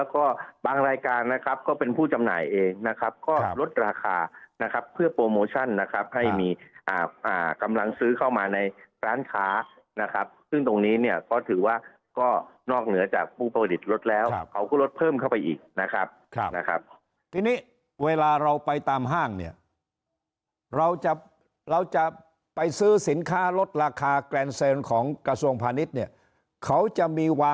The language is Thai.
แล้วก็บางรายการนะครับก็เป็นผู้จำหน่ายเองนะครับก็ลดราคานะครับเพื่อโปรโมชั่นนะครับให้มีกำลังซื้อเข้ามาในร้านค้านะครับซึ่งตรงนี้เนี่ยก็ถือว่าก็นอกเหนือจากผู้ผลิตลดแล้วเขาก็ลดเพิ่มเข้าไปอีกนะครับนะครับทีนี้เวลาเราไปตามห้างเนี่ยเราจะเราจะไปซื้อสินค้าลดราคาแกรนเซนของกระทรวงพาณิชย์เนี่ยเขาจะมีวา